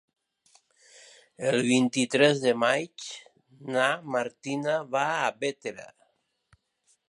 El vint-i-tres de maig na Martina va a Bétera.